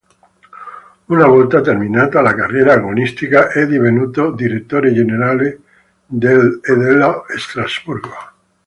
Una volta terminata la carriera agonistica è divenuto direttore generale del e dello Strasburgo.